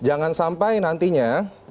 jangan sampai nantinya